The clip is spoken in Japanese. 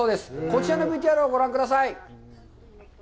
こちらのＶＴＲをご覧ください。